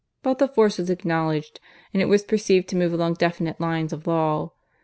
But the force was acknowledged, and it was perceived to move along definite lines of law.